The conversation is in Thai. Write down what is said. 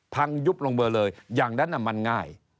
พังยุบลงเมื่อเลยอย่างนั้นมันง่าย